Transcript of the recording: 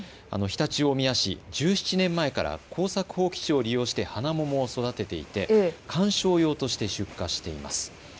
常陸大宮市１７年前から耕作放棄地を利用してハナモモを育てていて観賞用として出荷しています。